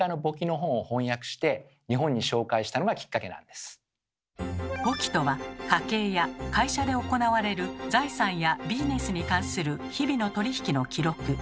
でもそれは簿記とは家計や会社で行われる財産やビジネスに関する日々の取引の記録。